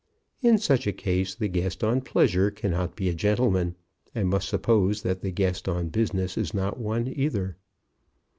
In such a case the guest on pleasure cannot be a gentleman, and must suppose that the guest on business is not one either.